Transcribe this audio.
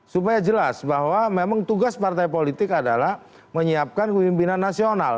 supaya jelas bahwa memang tugas partai politik adalah menyiapkan pemimpinan nasional